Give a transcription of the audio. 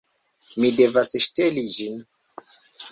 Ni devas ŝteli ĝin